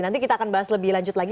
nanti kita akan bahas lebih lanjut lagi